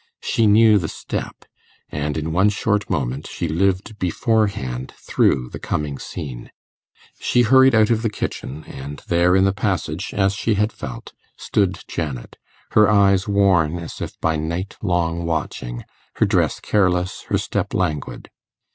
She knew the step, and in one short moment she lived beforehand through the coming scene. She hurried out of the kitchen, and there in the passage, as she had felt, stood Janet, her eyes worn as if by night long watching, her dress careless, her step languid.